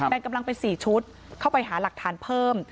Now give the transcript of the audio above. กำลังเป็น๔ชุดเข้าไปหาหลักฐานเพิ่ม